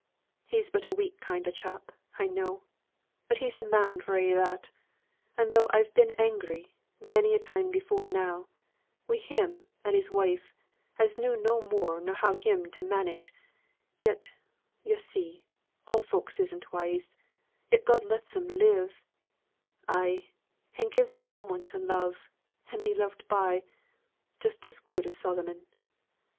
He's but a weak kind of chap, I know, but he's a man for a' that; and tho' I've been angry, many a time afore now, wi' him an' his wife, as knew no more nor him how to manage, yet yo' see, all folks isn't wise, yet God lets 'em live ay, an' gives 'em some one to love, and be loved by, just as good as Solomon.